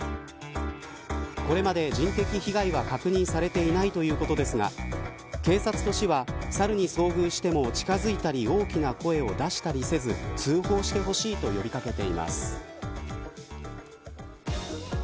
これまで、人的被害は確認されていないということですが警察と市は、サルに遭遇しても近づいたり大きな声を出したりせず通報してほしいと呼び掛けています。